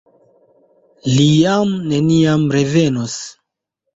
Li jam neniam revenos.